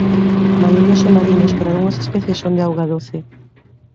A maioría son mariños pero algunhas especies son de auga doce.